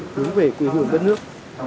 hướng về quy hưởng đất nước